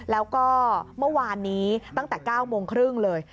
แล้วก็เมื่อวานนี้ตั้งแต่๙โมงครึ่งเลย